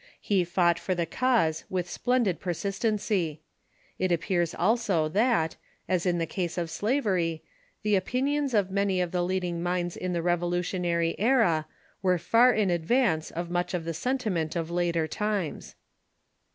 He fought for the cause with splendid persistency. It appears also that, as in the case of slavery, the opinions of many of the leading minds in the Revolutionary era were far in advance of much of the senti ment of later times.